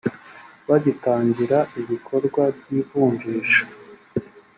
bagitangira ibikorwa by ivunjisha